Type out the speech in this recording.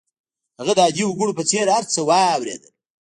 هغه د عادي وګړو په څېر هر څه واورېدل